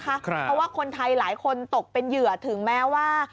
เพราะว่าคนไทยหลายคนตกเป็นเหยื่อถึงแม้ว่า